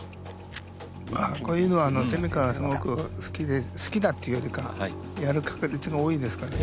まあこういうのは川すごく好きだっていうよりかやる確率が多いですからね。